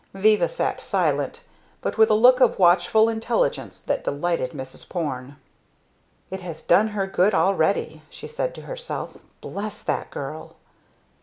Viva sat silent, but with a look of watchful intelligence that delighted Mrs. Porne. "It has done her good already," she said to herself. "Bless that girl!"